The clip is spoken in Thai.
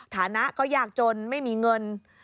ฐานะก็ยากจนไม่มีเงิน